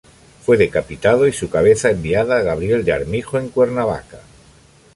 Fue decapitado y su cabeza enviada a Gabriel de Armijo en Cuernavaca.